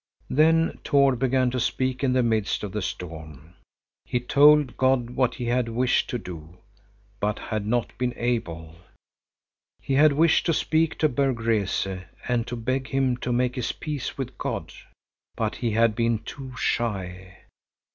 Then Tord began to speak in the midst of the storm. He told God what he had wished to do, but had not been able. He had wished to speak to Berg Rese and to beg him to make his peace with God, but he had been too shy.